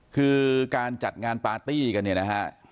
คือการจัดงานปาร์ตี้กันเนี่ยนะฮะ